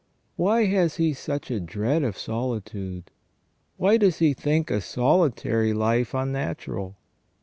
Why has he such a dread of solitude ? Why does he think a solitary life unnatural?